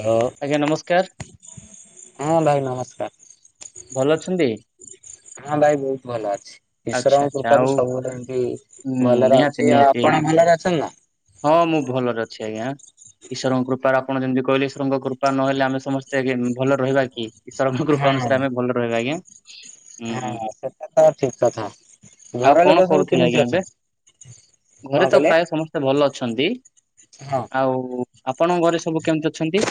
ହଁ ଆଜ୍ଞା ନମସ୍କାର ହଁ ଭାଇ ନମସ୍କାର ଭଲ ଅଛନ୍ତି? ହଁ ଭାଇ ବହୁତ ଭଲ ଅଛି। ଆଚ୍ଛା ବିଶ୍ରାମ ଆଚ୍ଛା କୁକାର ଆଉ ସବୁବେଳେ ଏମତି ଉଁ ଭଲରେ ନିହାତି ଅଛି ଆଉ ନିହାତି। ଆପଣ ଭଲରେ ଅଛନ୍ତି ନା? ହଁ ମୁଁ ଭଲରେ ଅଛି ଆଜ୍ଞା। ଈଶ୍ୱର କୃପା ଆପଣ ଯେମିତି କହିଲେ ଈଶ୍ୱର କୃପା ନହେଲେ ଆମେ ସମସ୍ତେ ଭଲ ରହିବା କି? ଈଶ୍ୱର କୃପା ହଁ ଅନୁସାରେ ଆମେ ଭଲ ରହିବା ଆଜ୍ଞା ହୁଁ। ସେ ତ ଠିକ କଥା। ଘର ଆଉ ଲୋକ କଣ ସବୁ କରୁଥିଲ କେମିତି ଆଜ୍ଞା ଏବେ? ଅଛନ୍ତି? କଣ ଘରେ ତ କହିଲେ? ପ୍ରାୟ ସମସ୍ତେ ଭଲ ଅଛନ୍ତି ହଁ ଆଉ। ଆପଣଙ୍କ ଘରେ ସବୁ କେମିତି ଅଛନ୍ତି?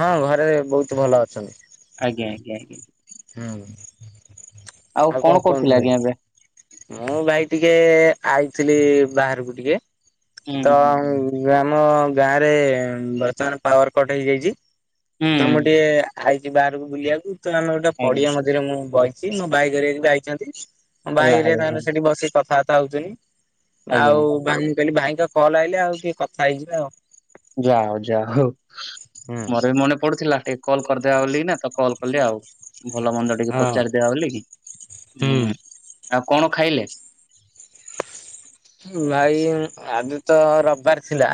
ହଁ ଘରେ ବହୁତ ଭଲ ଅଛନ୍ତି। ଆଜ୍ଞା ଆଜ୍ଞା ଆଜ୍ଞା ହୁଁ ଆଉ କଣ କରୁଥିଲେ କୁହନ୍ତୁ ଭାଇ? ଆଜ୍ଞା ଏବେ? ମୁଁ ଭାଇ ଟିକେ ଆଇଥିଲି ବାହାରକୁ ଟିକେ ହୁଁ ତ ହୁଁ ହୁଁ ଆମ ଗାଁ ରେ ବର୍ତ୍ତମାନ ପାୱାର କଟ ହେଇଯାଇଛି। ତ ହୁଁ, ଆମ ଟିକେ ହେଇଛି ବାହାରକୁ ବୁଲିବାକୁ ତ ଆମେ ଗୋଟେ ଆଜ୍ଞା ପଡିିବା ମେ ରେ ମୁଁ ବହିଛି ମୋ ବାଇକରେ ଯାଇଛନ୍ତି ମୋ ହେଲା ବାଇକ ରେ ହେଲା ତାଙ୍କଲେ ହେଲା। ସେଠି ବସିକି କଥାବାର୍ତ୍ତା ହଉଛନ୍ତିି। ଆଜ୍ଞା ଆଉ ଆଜ୍ଞା ଭାଇ କହିଲି ଭାଇଙ୍କ କଲ ଆଇଲେ ଆଉ ଟିକେ କଥା ହେଇଯିବା ଆଉ ଯା ହଉ ଯାଉ ମୋର ବି ମନେ ପଡୁଥିଲା ଟିକ କଲ୍ କରିଦେବା ବୋଲି ନା ତ କଲ୍ କଲେ ଆଉ ଭଲ ମନ୍ଦ ଟିକେ ହଁ ପଚାରିଦବା ବୋଲିକି ହୁଁ ଆଉ କଣ ଖାଇଲେ? ଭାଇ ଆଜି ତ ରବିବାର ଥିଲା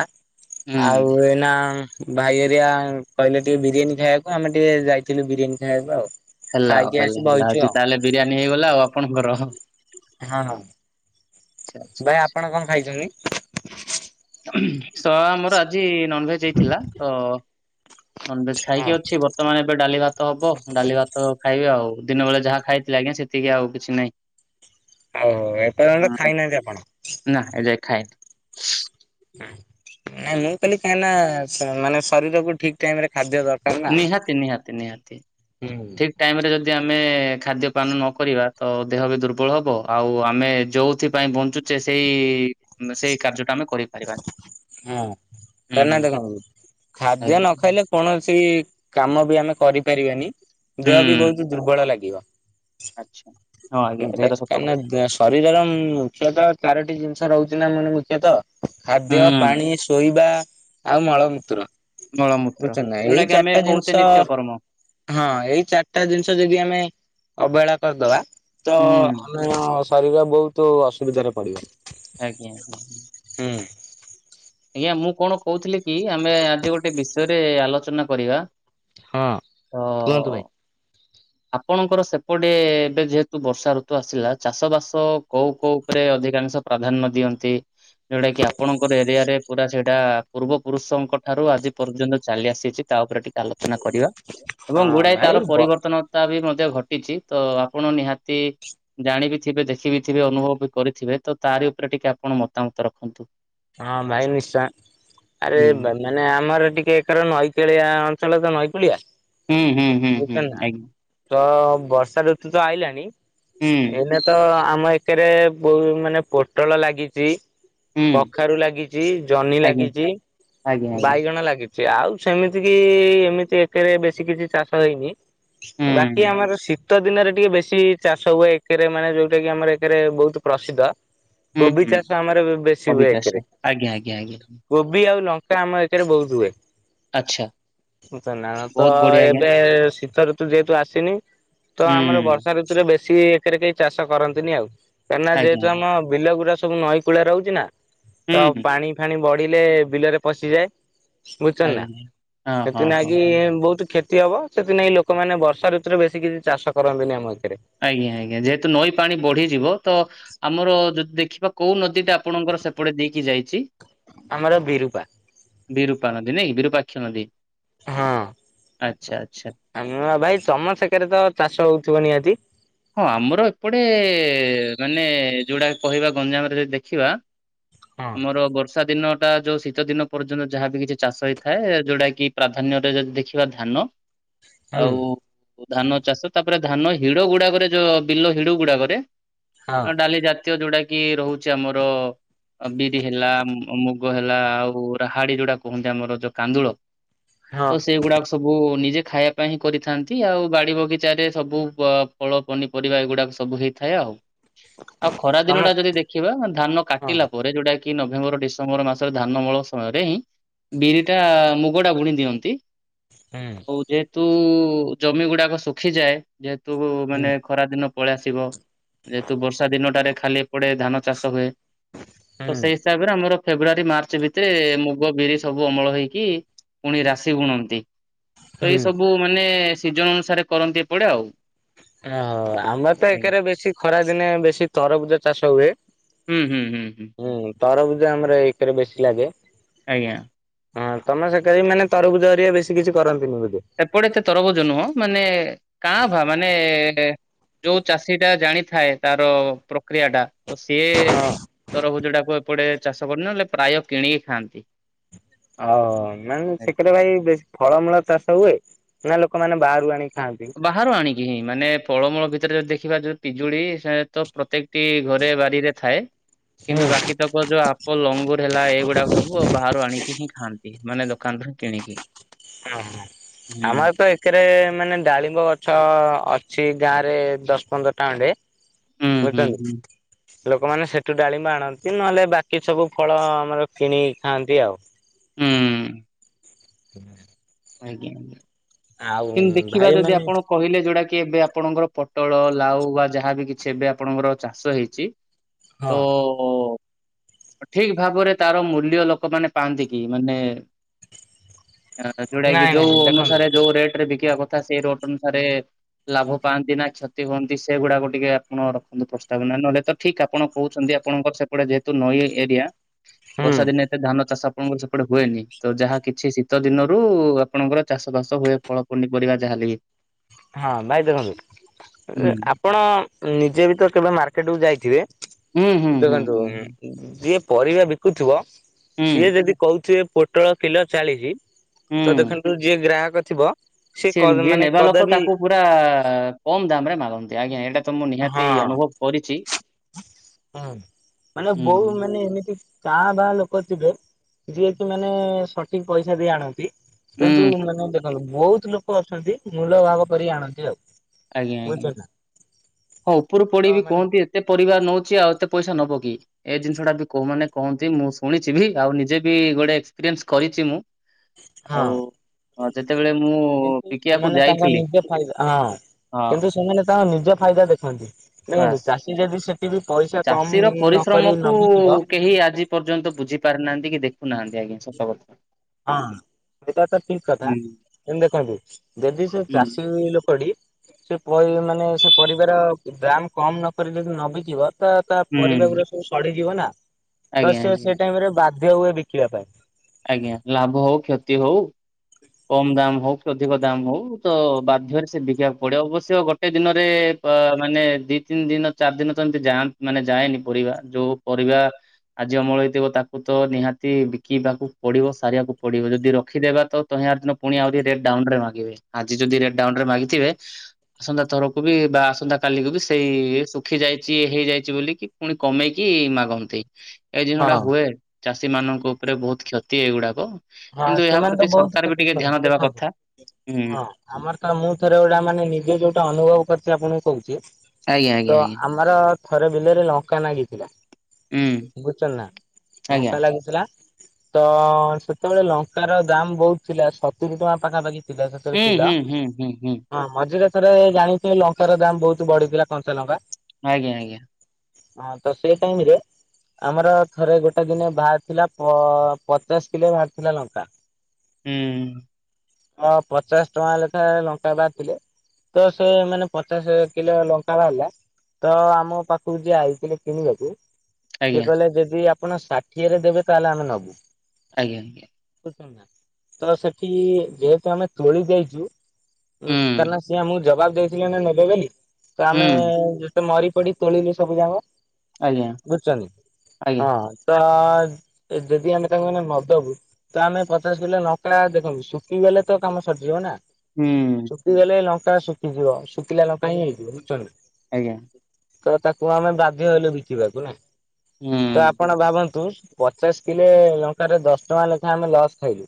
ହୁଁ ଆଉ ଏନା ଭାଇରିଆ କହିଲେ ଟିକେ ବିରିୟାନୀ ଖାଇବାକୁ ଆମେ ଟିକେ ଯାଇଥିଲୁ ବିରିୟାନୀ ଖାଇବାକୁ ଆଉ। ହେଲା ଆଉ ଖାଇକି ଆସି ହେଲା ହେଲା ବଇଚୁ ଆଉଛି ଆଉ ତାହେଲେ ବିରିୟାନୀ ହେଇଗଲା ଆଉ ଆପଣଙ୍କର। ହଁ ହଁ ଆଚ୍ଛା ଭାଇ ଆଚ୍ଛା ଆପଣ କଣ ଖାଇଛନ୍ତି? ଆମର ଆଜି ନନଭେଜ ଥିଲା ତ ନନଭେଜ ହଁ ଖାଇକି ଅଛି। ତ ମାନେ ଏବେ ଡାଲି ଭାତ ହବ ଡାଲି ଭାତ ଖାଇବେ ଆଉ ଦିନ ବେଳେ ଯାହା ଖାଇଥିଲେ ଆଜ୍ଞା ସେତିକି ଆଉ କିଛି ନାହିଁ ଓଉ ହୋ ଏପର୍ଯ୍ୟନ୍ତ ଖାଇନାହାନ୍ତି ଆପଣ? ନା ଏ ଯାଏ ଖାଇନି। ନାଇଁ ମୁଁ କାଲି କାହିଁ ନା ମାନେ ଶରୀରକୁ ଠିକ ଟାଇମ ରେ ଖାଦ୍ୟ ଦରକାର ନା। ନିହାତି ନିହାତି ନିହାତି ଠିକ ହଁ ଟାଇମରେ ଯଦି ଆମେ ଖାଦ୍ୟପାନ ନ କରିବା ତ ଦେହ ବି ଦୁର୍ବଳ ହେବ ଆଉ ଆମେ ଯେଉଁଥିପାଇଁ ବଞ୍ଚୁ ସେଇ ସେଇ କାର୍ଯ୍ୟଟା ଆମେ କରିପାରିବାନି। ହଁ ହୁଁ ହୁଁ କରିନାହା ତ କଣ ଖାଦ୍ୟ ଆଜ୍ଞା ନ ଖାଇଲେ କୌଣସି କାମ ବି ଆମେ କରିପାରିବାନି ଦେହ ବି ହୁଁ ବହୁତ ଦୁର୍ବଳ ଲାଗିବ। ଆଚ୍ଛା ହଁ ଆଜ୍ଞା ଏଇଟା ଦେ ତ ସତ କଥା କାହିଁକି ଶରୀରର ମୁଖ୍ୟତଃ ଚାରୋଟି ଜିନିଷ ରହୁଛି ନା ମାନେ ମୁଖ୍ୟତଃ ଖାଦ୍ୟ ହୁଁ ପାଣି ଶୋଇବା ଆଉ ମଳ ମୂତ୍ର। ମଳମୂତ୍ର ବୁଝ ନା ଏଇ ଯୋଉଟା କି ଆମେ ଚାରିଟା କହୁଛେ ଜିନିଷ ନିତ୍ୟ କର୍ମ। ହଁ ଏଇ ଚାରିଟା ଜିନିଷ ଯଦି ଆମେ ଅବହେଳା କରିଦବା ତ ହୁଁ ଶରୀର ବହୁତ ଅସୁବିଧାରେ ପଡିବ। ଆଜ୍ଞା ଆଜ୍ଞା ହୁଁ ଆଜ୍ଞା ମୁଁ କଣ କହୁଥିଲି କି ଆମେ ଆଜି ଗୋଟେ ବିଷୟରେ ଆଲୋଚନା କରିବା ହଁ। ହଁ କୁହନ୍ତୁ ଭାଇ। ଆପଣଙ୍କର ସେପଟେ ଏବେ ଯେହେତୁ ବର୍ଷା ଋତୁ ଆସିଲା ଚାଷ ବାସ କୋଉ କୋଉ ଉପରେ ଅଧିକାଂଶ ପ୍ରାଧାନ୍ୟ ଦିଅନ୍ତି ଯଉଟା କି ଆପଣଙ୍କର ଏରିଆ ରେ ପୁରା ସେଇଟା ପୂର୍ବ ପୁରୁଷଙ୍କ ଠାରୁ ଆଜି ପର୍ଯ୍ୟନ୍ତ ଚାଲି ଆସିଛି ତା ଉପରେ ଟିକେ ଆଲୋଚନା କରିବା ଏବଂ ହଁ ଗୁଡାଏ ଭାଇ ତାର ବ ପରିବର୍ତ୍ତନ ତା ବି ମଧ୍ୟ ଘଟିଛି ତ ଆପଣ ନିହାତି ଜାଣ ବିିଥିବେ ଦେଖିବି ଥିବେ ଅନୁଭବ ବି କରିଥିବେ ତ ତାରି ଉପରେ ଟିକେ ଆପଣ ମତାମତ ରଖନ୍ତୁ ହଁ ଭାଇ ନିଶ୍ଚା ଆରେ ହୁଁ ମାନେ ଆମର ଟିକେ ଏକର ନଈକେଳିଆ ଅଞ୍ଚଳ ତ ନଈକଳିଆ ହୁଁ ହୁଁ ହୁଁ ହୁଁଦି ତ ବର୍ଷା ଋତୁ ତ ଆଇଲାଣିି ହୁଁ ଏ ତ ଆମ ଏକରେ ବହୁ ମାନେ ପୋଟଳ ଲାଗିଛି ହୁଁ କଖାରୁ ଲାଗିଛି, ଜହ୍ନି ଆଜ୍ଞା ଲାଗିଛି, ଆଜ୍ଞା ଆଜ୍ଞା ବାଇଗଣ ଲାଗିଛି। ଆଉ ସେମିତି କି ଏମିତି ଏକଥରେ ବେଶୀ କିଛି ଚାଷ ହେଇନି। ହୁଁ ବାକି ଆମର ଶୀ ଶୀତ ଦିନରେ ଟିକେ ବେଶୀ ଚାଷ ହୁଏ ଏକରେ ମାନେ ଯୋଉଟା କିି ଆମର ଏକରେ ବହୁତ ପ୍ରସିଦ୍ଧ। କୋବି ଚାଷ ଆମର ବେ ଅବି ଚାଷ ଆଜ୍ଞା ଆଜ୍ଞା ଆଜ୍ଞା। କୋବି ଆଉ ଲଙ୍କା ଆମ ଏଥିରେ ବହୁତ ହୁଏ। ଆଚ୍ଛା ନା ତ ବହୁତ ବଢ଼ିଆ ଆଜ୍ଞା। ଏବେ ଶୀତଋତୁ ଯେହେତୁ ଆସିନି ତ ହୁଁ, ଆମର ବର୍ଷା ଋତୁରେ ବେଶୀ ଏକରେ କେହି ଚାଷ କରନ୍ତିନି ଆଉ କାହିଁକିନା ଆଜ୍ଞା, ଆଜ୍ଞା। ଯେହେତୁ ଆମ ବିଲ ଗୁଡା ସବୁ ନଈ କୂଳା ରହୁଛି ନା ହୁଁ, ତ ହୁଁ, ପାଣି ଫାଣି ବଢିଲେ ବିଲରେ ପଶିଯାଏ। ବୁଝିଛନ୍ତି ନା ଆଜ୍ଞା, ଆଜ୍ଞା। ହଁ, ହଁ, ହଁ, ସେଥିିନାଗି ହଁ। ବହୁତ କ୍ଷ ହବ ସେଥିନାକି ଲୋକମାନେ ବର୍ଷା ଋତୁରେ ବେଶୀ କିଛି ଚାଷ କରନ୍ତିନି ଆମ ଏଥିରେ। ଆଜ୍ଞା ଆଜ୍ଞା ଯେହେତୁ ନଈ ପାଣି ବଢିଯିବ ତ ଆମର ଯଦି ଦେଖିବା କୋଉ ନଦୀ ଟା ଆପଣଙ୍କର ସେପଟେ ଦେଇକି ଯାଇଛି। ଆମର ବିରୁପା। ବିରୂପା ନଦୀ ନାଇଁ ବିରରୁପାକ୍ଷ ନଦୀ। ହଁ ଆଚ୍ଛା, ଆଚ୍ଛା। ଆମ ଭାଇ ତମ ସେକାରେ ତ ଚାଷ ହଉଥିବ ନିହାତି। ହଁ ଆମର ଏପଟେ ମାନେ ଯୋଉଟାକ କହିବା ଗଞ୍ଜାମରେ ଯଦି ଦେଖିବା ହଁ ଆମର ବର ବର୍ଷା ଦିନ ଟା ଯୋଉ ଶୀତ ଦିନ ପର୍ଯ୍ୟନ୍ତ ଯାହାବି କିଛି ଚାଷ ହେଇଥାଏ ଯୋଉଟା କିି ପ୍ରାଧାନ୍ୟରେ ଯଦି ଦେଖିବା ଧାନ। ହୁଁ ଆଉ ଧାନ ଚାଷ ତାପରେ ଧାନ ହିଡ ଗୁଡାକ ଟ ଯୋଉ ବିଲ ହିଡ ଗୁଡାକରେ ହଁ ଡାଲି ଜାତୀୟ ଯୋଉଟା କି ରହୁଛି ଆମର ବିରି ହେଲା ମୁଗ ହେଲା ଆଉ ରାହାଡି ଯୋଉଟା କୁହନ୍ତି ଆମର ଯୋଉ କାନ୍ଦୁଳ। ହଁ ତ ସେଗୁଡାକ ସବୁ ନିଜେ ଖାଇବା ପାଇଁ ହିଁ କରିଥାନ୍ତି ଆଉ ବାଡି ବଗିଚାରେ ସବୁ ଫଳ ପନିପରିବା ଏଗୁଡ଼ାକ ସବୁ ହୋଇଥାଏ ଆଉ। ଆଉ ଖରା ଦିନ ତମେ ଟା ଯଦି ଦେଖିବା ଧାନ ହଁ କାଟିଲା ପରେ ଯୋଉଟା କି କି ନଭେମ୍ବର ଡିସେମ୍ବର ମାସରେ ଧାନ ମଳ ସମୟରେ ହିଁ ବିରିଟା ମୁଗଟା ବୁଣି ଦିଅନ୍ତି। ହୁଁ ଆଉ ଯେହେତୁ ଜମି ଗୁଡାକ ଶୁଖିଯାଏ ଯେହେତୁ ହୁଁ ମାନେ ଖରା ଦିନ ପଳେଇ ଆସିବ ଯେହେତୁ ବର୍ଷା ଦିନଟାରେ ଖାଲି ପଡେ ଧାନ ଚାଷ ହୁଏ। ହୁଁ ତ ସେଇ ହିସାବରେ ଆମର ଫେବୃୁଆାରୀ ମାର୍ଚ୍ଚ ଭିତରେ ମୁଗ ବିରି ସବୁ ଅମଳ ହେଇକି ପୁଣି ରାଶି ଗୁଣନ୍ତି ତ ଏଇ ହୁଁ ସବୁ ମାନେ ସିଜନ ଅନୁସାରେ କରନ୍ତି ଏପଡେ ଆଉ। ଓ ଆମର ତ ଆଜ୍ଞା। ଏକାରେ ବେଶୀ ଖରା ଦିନେ ବେଶୀ ତରବୁଜ ଚାଷ ହୁଏ। ହୁଁ ହୁଁ ହୁଁ ହୁଁ। ତରଭୁଜା ଆମର ଏକରେ ବେଶୀ ଲାଗେ। ଆଜ୍ଞା। ହଁ ତମେ ସୋ ମାନେ ତରଭୂଜ ହେରିଆ ବେଶୀ କିଛି କରନ୍ତିନି ବୁଝେ ଏପଟେ ଏତେ ତରଭୁଜ ନୁହଁ ମାନେ କାଁ ଫା ମାନେ ଯୋଉ ଚାଷୀ ଟା ଜାଣିଥାଏ ତାର ପ୍ରକ୍ରିୟା ଟା ତ ସିଏ ତର ଭୁଜ ଟାକୁ ଏପଟେ ଚାଷ କରିନହେଲେ ପ୍ରାୟ କିଣିକି ଖାଆନ୍ତି। ଓ ମାନେ ଆଜ୍ଞା। ସେଥିରେ ଭାଇ ବେଶୀ ଫଳମୂଳ ଚାଷ ହୁଏ। ନା ଲୋକମାନେ ବାହାରୁ ଆଣିକି ଖାଆନ୍ତି। ବାହାରୁ ଆଣିକି ହିଁ ମାନେ ଫଳମୂଳ ଭିତରେ ଯଦି ଦେଖିବା ଯଉ ପିଜୁଳି ସେ ପ୍ରତ୍ୟେକ ଟି ଘରେ ବାରିରେ ଥାଏ କିନ୍ତୁ ବାକି ଯୋଉ ଆପଲ ଅଙ୍ଗୁର ହେଲା ଏଇଗୁଡାକ ସବୁ ବାହାରୁ ଆଣିକି ହିଁ ଖାଆନ୍ତି ମାନେ ଦୋକାନରୁ ହିଁ କିଣିକି। ହଁ ହୁଁ ଆମ ଏ ତ ଥିରେ ମାନେ ଡାଳିମ୍ବ ଗଛ ଅଛି ଗାଁ ରେ ଦଶ ପନ୍ଦରଟା ଅଣ୍ଡେ ହୁଁ ହୁଁ ହୁଁ ମଚନ୍ତିି ଲୋକମାନେ ସେଠୁ ଡାଳିମ୍ମା ଆଣନ୍ତି ନହେଲେ ବାକି ସବୁ ଫଳ ଆମର କିଣି ଖାଆନ୍ତି ଆଉ। ହୁଁ। [inaudible] ଆଜ୍ଞା ଆଞା ଆଉ କିମୁ ଦେଖିବା ଭାଇ ଯଦି ମାନେ ଆପଣ କହିଲେ ଯୋଉଟା କି ଏବେ ଆପଣଙ୍କର ପୋଟଳ ଲାଉ ବା ଯାହାବି କିଛି ଏବେ ଆପଣଙ୍କର ଚାଷ ହେଇଛି। ହଁ ତ ଠିକ ଭାବରେ ତାର ମୂଲ୍ୟ ଲୋକମାନୋନ ପାଆନ୍ତି କି ମାନେ ଯୋଉଟା କି ନାଇଁ ନାଇଁ ଯୋଉ ଦେଖନ୍ତୁ ଅନୁସାରେ ଯୋଉ ରେଟ ରେ ବିକିବା କଥା ସେଇ ରୋଟ ଅନୁସାରେ ଲାଭ ପାଆନ୍ତି ନା କ୍ଷତି ହୁଅନ୍ତି ସେଗୁଡାକ ଟିକେ ଆପଣ ରଖନ୍ତୁ ପ୍ରସ୍ତାବ ନହେଲେ ତ ଠିକ ଆପଣ କହୁଛନ୍ତି ଆପଣଙ୍କର ସେପଟେ ଯେହେତୁ ନଈ ଏରିଆ। ହୁଁ ବର୍ଷା ଦିନେ ଏତେ ଧାନ ଚାଷ ଆପଣଙ୍କର ସେପଟେ ହୁଏନି ତ ଯାହା କିଛି ଶୀତ ଦିନ ରୁ ଆପଣଙ୍କର ଚାଷ ବାସ ହୁଏ ଫଳ ପୁନିପରିବା ଯାହାଲେ କିି ହଁ ବାଇଦ ଆପ ହୁଁ ଆପଣ ନିଜେ ବି ତ କେବେ ମାର୍କେଟକୁୁ ଯାଇଥିବେ। ହୁଁ ହୁଁ ହୁଁ ଦେଖନ୍ତୁ ହୁଁ ହୁଁ ଯିଏ ପରିବା ବିକୁଥିବ ସିଏ ଯଦି କହୁଥିବେ ପୋଟଳ କିଲୋ ଚାଳିଶ ହୁଁ ତ ହୁଁ। ଦେଖନ୍ତୁ ଯିଏ ଗ୍ରାହକ ଥିବ ସେ ସିଏ ଯିଏ ମାନେ ନେବା ଲୋକ କଦାପି ତାକୁ ପୁରା କମ ଦାମ ରେ ମାଗନ୍ତି ଆଜ୍ଞା ଏଇଟା ତ ମୁଁ ନିହାତି ହଁ ଅନୁଭବ କରିଛି। ହୁଁ ମାନେ ହୁଁ ବୋଉ ମାନେ ଏମିତି କା ବା ଲୋକ ଥିବେ ଯିଏକି ମାନେ ସଠିକ ପଇସା ଦେଇ ଆଣନ୍ତି। କିନ୍ତୁ ହୁଁ ମାନେ ଦେଖନ୍ତୁ ବହୁତ ଲୋକ ଅଛନ୍ତି ମୂଲ ଭାଗ କରିକି ଆଣନ୍ତି ଆଉ। ଆଜ୍ଞା ଆଜ୍ଞା। ବୁଝୁଛନ୍ତି ନା। ହଁ ଉପରୁ ତ ପଡେଇିବି ମାନେ କୁହନ୍ତି ଏତେ ପରିବାାର ନଉଛି ଆଉ ଏତେ ପଇସା ନବ କିଏ। ଏଇ ଜିନିଷ ଟା ବି କୋ ମାନେ କୁହନ୍ତି ମୁଁ ଶୁଣିଛି ବି ଆଉ ନିଜେ ବି ଗୋଟେ ଏକ୍ସପିରିଏନ୍ସ କରିଛି ମୁଁ। ହଁ। ଆଉ ହଁ ଯେତେବେଳେ ମୁଁ କିନ୍ତୁ ବିକିବାକୁ ସେମାନେ ତାଙ୍କ ଯାଇଥିଲି ନିଜେ ଫାଇଦା ହଁ ହଁ କିନ୍ତୁ ସେମାନେ ତା ନିଜ ଫାଇଦା ଦେଖନ୍ତି। ନ ବାସ୍। ଚାଷୀ ଯଦି ସେଠି ବି ପଇସା କମ ଚାଷୀର ନକ ପରିଶ୍ରମକୁ ନବିକିବ କେହି ଆଜି ପର୍ଯ୍ୟନ୍ତ ବୁଝି ପାରାରୁନାହାନ୍ତି କି ଦେଖୁନାହାନ୍ତି ଆଜ୍ଞା ସତ କଥା। ହଁ ସେଇଟା ତ ଠିକ କଥା ହୁଁ ଏମତି ଦେଖନ୍ତୁ ଯଦି ସେ ହୁଁ ଚାଷୀ ଲୋକଟି ସେ ମାନେ ସେ ପରିବାର ଦାମ୍ କମ୍ ନକ ଯଦି ନବିଥିବ ତ ତା ପରିବା ହୁଁ ଗରେ ସବୁ ସଢିଯିବ ନା ତ ଆଜ୍ଞା ସି ଆଜ୍ଞା ସେ ଟାଇମ ରେ ବାଧ୍ୟ ହୁଏ ବିକିବା ପାଇଁ। ଆଜ୍ଞା ଲାଭ ହଉ କ୍ଷତି ହଉ କମ ଦାମ ହଉ କି ଅଧିକ ଦମ୍ ହଉ ତ ବାଧ୍ୟରେ ସେ ବିକିବାକୁ ପଡିବ ଅବଶ୍ୟ ଗୋଟେ ଦିନରେ ମାନେ ଦି ତିନି ଦିନ ଚାରି ଦିନ ତ ଏମିତି ଯାଆ ମାନେ ଯାଏନି ପରିବା ଯୋଉ ପରିବା ଆଜି ଅମଳ ହେଇଥିବ ତାକୁ ତ ନିହାତି ବିକିବାକୁ ପଡିବ ସାରିବାକୁ ପଡିବ ଯଦି ରଖିଦେବା ତ ତାର ଦିନ ପୁଣିରି ଟ ଡାଉନ ରେ ମାଗିବେ ଆଜି ଯଦି ରେଟ ଡାଉନ ରେ ମିଥିବେ ଆସନ୍ତା ଥରକୁ ବି ବା ଆସନ୍ତା କାଲିକୁୁ ବି ସେଇ ଶୁଖି ଯାଇଛି ହେଇଯାଇଛି ବୋଲିକି ପୁଣି କମେଇକି ମାଗନ୍ତି। ଏଇ ଜିନିଷ ଟା ହଁ। ହୁଏ ଚାଷୀ ମାନଙ୍କ ଉପରେ ବହୁତ କ୍ଷତି ଏଇଗୁଡାକ। ହଁ କିନ୍ତୁ ଏହା ସେମାନେ ପ୍ରତି ତ ବହୁତ ସରକାର ବି କ୍ଷତି ଟିକେ ଧ୍ୟାନ ଶୁଣନ୍ତି ଦେବା କଥା। ଦେଖନ୍ତୁ ହୁଁ ହଁ। ଆମର ତ ମୁଁ ଥରେ ଗୋଟା ମାନେ ନିଜେ ଯୋଉଟା ଅନୁଭବ କରିଛି ଆପଣଙ୍କୁ କହୁଛି ଆଜ୍ଞା ଆଜ୍ଞା ତ ଆଜ୍ଞା ଆମ ଆମର ଥରେ ବିଲରେ ଲଙ୍କା ନାଗିଥିଲା। ହୁଁ ବୁଝୁଛନ୍ତି ନା ଆଜ୍ଞା ମସା ଲାଗୁଥିଲା ତ ସେ ସେତେବେଳେ ଲଙ୍କାର ଦାମ ବହୁତ ଥିଲା ସତୁରିୀ ଟଙ୍କା ପାଖାପାଖି ଥିଲା ସେତେବେଳେ ହୁଁ କିଲୋ ହୁଁ ହୁଁ ହୁଁ ହୁଁ ହଁ ମଝିରେେଶରେ ଜାଣିଥ ଲଙ୍କାର ଦାାମ ବହୁତ ବଢିଥିଲା କଂଞ୍ଚା ଲଙ୍କା। ଆଜ୍ଞା ଆଜ୍ଞା। ହଁ ତ ସେ ଟାଇମ ରେ ଆମର ଥରେ ଗୋଟେ ଦିନେ ବାହାର ଥିଲା ପଚାଶ କିଲୋ ବାହାରି ଥିଲା ଲଙ୍କା। ହୁଁ ହଁ ପଚାଶ ଟଙ୍କା ଲେଖାଏ ଲଙ୍କା ବାହାରି ଥିଲେ ତ ସେ ମାନେ ପଚାଶ କିଲୋ ଲଙ୍କା ବାହାରିଲା ତ ଆମ ପାଖକୁ ଯିଏ ଆଇଥିଲେ କିଣିବାକୁ ସିଏ ଆଜ୍ଞା କହିଲେ ଯଦି ଆପଣ ଷାଠିଏରେ ଦେବେ ତାହେଲେ ଆମେ ନବୁ। ଆଜ୍ଞା ଆଜ୍ଞା ବୁ ତ ସେଠି ଯେହେତୁ ଆମେ ତୁଳି ଦେଇଛୁ ଉ କାହିଁକି ନା ହୁଁ ସେ ଆମକୁ ଜବାବ ଦେଇଥିଲେ ନା ନେବେ ବୋଲି, ତ ଆମେ ହୁଁ ଯେତେ ମରି ପଡି ତୋଳିଲୁ ସବୁ ଯାକ ଆଜ୍ଞା ବୁଝୁଛନ୍ତି ଆଜ୍ଞା ହଁ ତ ଯଦି ଆମେ ତାଙ୍କୁ ଏୟିନା ନଦବୁ ତ ଆମେ ପଚାଶ କିଲୋ ଲଙ୍କା, ଦେଖନ୍ତୁ ଶୁଖିଗଲେ ତ କାମ ସରିଯିବ ନା। ହୁଁ ଶୁଖିଗଲେ ଲଙ୍କା ଶୁଖିଯିବ, ଶୁଖିଲା ଲଙ୍କା ହିଁ ହେଇଯିବ ବୁଝୁଛନ୍ତି ନା? ଆଜ୍ଞା ତ ତାକୁ ଆମେ ବାଧ୍ୟ ହେଲୁ ବିକିବାକୁ ନା, ହୁଁ ତ ଆପଣ ଭାବନ୍ତୁ ପଚାଶ କିଲୋ ଲଙ୍କାରେ ଦଶ ଟଙ୍କା ଲେଖାଏ ଆମେ ଲସ୍ ଖାଇଲୁ।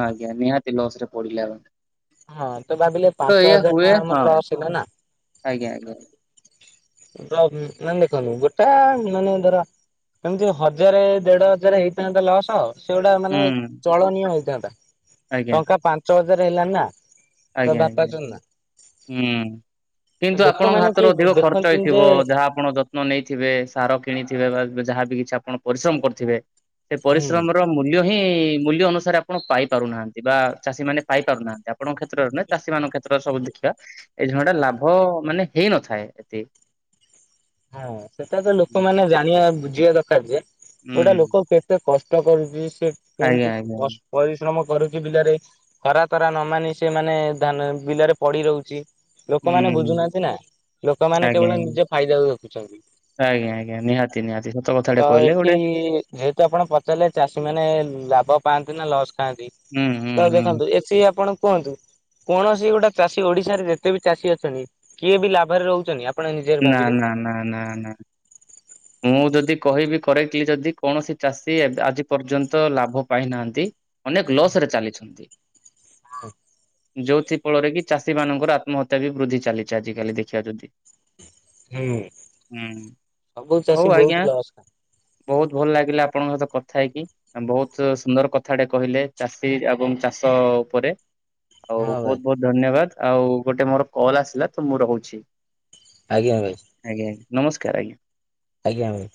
ଆଜ୍ଞା ନିହାତି ଲୋସରେ ପଡ଼ିଲେ ଆ ହଁ ତ ଭାବିଲେ ପାଞ୍ଚ ହଜାର ଟଙ୍କା ହୁଏ ହଁ ଆମର ଲସ୍ ହେଲା ନା ଆଜ୍ଞା ଆଜ୍ଞା ର ମାନେ ଦେଖନ୍ତୁ ଗୋଟେ ମାନେ ଧର ଏମିତି ହଜାରେ ଦେଢ ହଜାର ହେଇଥାନ୍ତା ଲସ ସେଗୁଡା ମାନେ ହୁଁ ଚଳନୀୟ ହେଇଥାନ୍ତା, ଆଜ୍ଞା ଟଙ୍କା ପାଞ୍ଚ ହଜାର ହେଲାଣି ନା। ତ ଆଜ୍ଞା ବାପା ଆଜ୍ଞା ଚନ୍ଦା ହୁଁ କିନ୍ତୁ ଆପଣଙ୍କ ଲୋକମାନେ କିଏ ହାତରୁ ଅଧିକ ଖର୍ଚ୍ଚ ଦେଖନ୍ତିନି ଯେ ହେଇଥିବ ଯାହା ଆପଣ ଯତ୍ନ ନେଇଥିବେ, ସାର କିଣିଥିବେ ବା ଯାହାବି କିଛି ଆପଣ ପରିଶ୍ରମ କରିଥିବେ ସେ ହୁଁ ପରିଶ୍ରମ ର ମୂଲ୍ୟ ହିଁ ମୂଲ୍ୟ ଅନୁସାରେ ଆପଣ ପାଇ ପାରୁନାହାନ୍ତି, ବା ଚାଷୀ ମାନେ ପାଇପାରୁନାହାନ୍ତି, ଆପଙ୍କ କ୍ଷେତ୍ରରେ ନାଇଁ ଚାଷୀ ମାନଙ୍କ କ୍ଷେତ୍ରରେ ସବୁ ଦେଖିବା ଏଇ ଟା ଲାଭ ମାନେ ହେଇନଥାଏ ଏତେ ହଁ ସେଟା ତ ଲୋକମାନେ ଜାଣିବା ବୁଝିବା ଦରକାର ଯେ ଗୋଟା ହୁଁ ଲୋକ କେ ଏତେ କଷ୍ଟ କରୁଛି ସେ ଆଜ୍ଞା କେମିତି ଆଜ୍ଞା ହୁଁ ପରିଶ୍ରମ କରୁଛି ବିଲରେ, ଖରା ତରା ନ ମାନି ସେ ମାନେ ବିଲରେ ପଡି ରହୁଛି। ଲୋକମାନେ ହୁଁ ବୁଝୁନାହାନ୍ତି ନା ଲୋକମାନେ ଆଜ୍ଞା କେବଳ ଆଜ୍ଞା ନିଜ ଫାଇଦା ଦେଖୁଛନ୍ତି। ଆଜ୍ଞା ଆଜ୍ଞା ନିହାତି ନିହାତି ସତ ତ କଥାଟେ କହିଲେ ଏଠି ଗୋଟେ ଯେହେତୁ ଆପଣ ପଚାରିଲେ, ଚାଷୀ ମାନେ ଲାଭ ପାଆନ୍ତି ନା ଲସ୍ ଖାଆନ୍ତି ହୁଁ ହୁଁ ହୁଁ ଦେଖନ୍ତୁ ଏଠି ଆପଣ କୁହନ୍ତୁ? କୌଣସି ଗୋଟେ ଚାଷୀ, ଓଡିଶାରେ ଯେତେ ବି ଚାଷୀ ଅଛନ୍ତି କିଏ ବି ଲାଭରେ ରହୁଛନ୍ତି? ଆପଣ ନିଜେ ନା ଭାବିଲେ ନା ନା ନା ନା ମୁଁ ଯଦି କହିବି କରେକ୍ଟଲି ଯଦି କୌଣସି ଚାଷୀ, ଆଜି ପର୍ଯ୍ୟନ୍ତ ଲାଭ ପାଇନାହାନ୍ତି। ଅନେକ ଲସ୍ ରେ ଚାଲିଛନ୍ତି। ହଁ ଯୋଉଥି ଫଳରେ କି ଚାଷୀ ମାନଙ୍କର ଆତ୍ମହତ୍ୟା ବି ବୃଦ୍ଧି ଚାଲିଛି ଆଜିକାଲି ଦେଖିବା ଯଦି। ହୁଁ। ହୁଁ ସବୁ ହଉ ଚାଷୀ ଆଜ୍ଞା ବହୁତ ଲସ୍। ବହୁତ ଭଲ ଲାଗିଲା ଆପଣଙ୍କ ସହିତ କଥା ହେଇକି। ବହୁତ ସୁନ୍ଦର କଥାଟେ କହିଲେ ଚାଷୀ ଏବଂ ଚାଷ ଉପରେ। ଆଉ ହଁ ଭାଇ ବହୁତ ବହୁତ ଧନ୍ୟବାଦ, ଆଉ ଗୋଟେ ମୋର କଲ୍ ଆସିଲା ତ ମୁଁ ରହୁଛି। ଆଜ୍ଞା ଭାଇ। ଆଜ୍ଞା ନମସ୍କାର ଆଜ୍ଞା। ଆଜ୍ଞା ଭାଇ।